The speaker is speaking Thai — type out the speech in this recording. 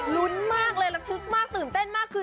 ลุ้นมากเลยระทึกมากตื่นเต้นมากคือ